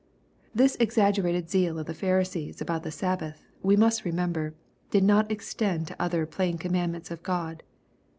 This exaggerated zeal of the Pharisees about the Sab bath, we must remember, did not extend to other plain commandments of God.